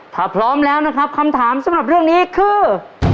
ถ้าพร้อมแล้วนะครับคำถามสำหรับเรื่องนี้คือ